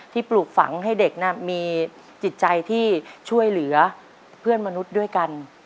ปลูกฝังให้เด็กมีจิตใจที่ช่วยเหลือเพื่อนมนุษย์ด้วยกัน